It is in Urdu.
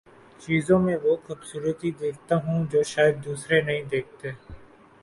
چیزوں میں وہ خوبصورتی دیکھتا ہوں جو شائد دوسرے نہیں دیکھتے